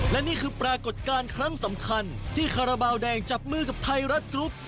และนี่คือปรากฏการณ์ครั้งสำคัญที่คาราบาลแดงจับมือกับไทยรัฐกรุ๊ป